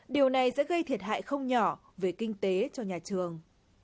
điều này sẽ gây thiệt hại không nhỏ về kinh tế cho nhà trường